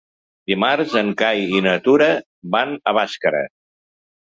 Dimarts en Cai i na Tura van a Bàscara.